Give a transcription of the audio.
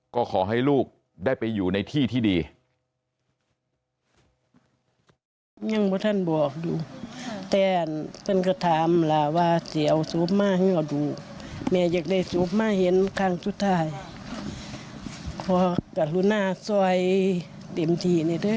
ก็ขอให้ลูกได้ไปอยู่ในที่ที่ดี